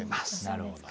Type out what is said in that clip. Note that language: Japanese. なるほど。